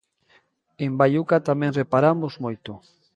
En Baiuca tamén reparamos moito.